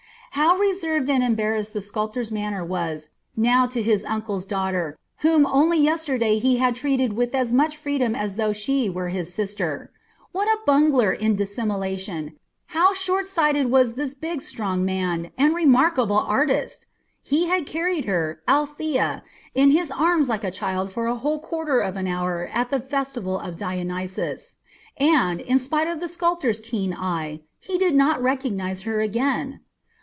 How reserved and embarrassed the sculptor's manner was now to his uncle's daughter, whom only yesterday he had treated with as much freedom as though she were his sister! What a bungler in dissimulation! how short sighted was this big, strong man and remarkable artist! He had carried her, Althea, in his arms like a child for a whole quarter of an hour at the festival of Dionysus, and, in spite of the sculptor's keen eye, he did not recognise her again!